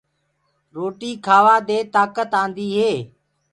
روٽيٚ کاوآ دي تآڪت آنٚديٚ هي